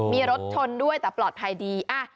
มีรถชนด้วยแต่ปลอดภัยดี